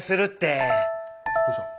どうしたの？